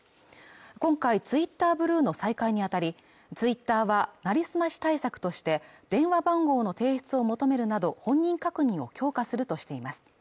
今回ツイッターブルーの再開にあたりツイッターはなりすまし対策として電話番号の提出を求めるなど本人確認を強化するとしています